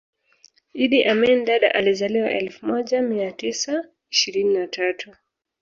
Idi Amin Dada alizaliwa elfu moja mia tisa ishirini na tatu